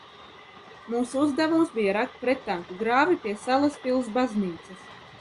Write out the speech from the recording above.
Mūsu uzdevums bija rakt prettanku grāvi pie Salaspils baznīcas.